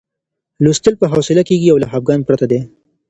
لوستل په حوصله کېږي او له خپګان پرته دی.